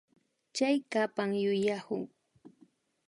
Chaykapan yuyaku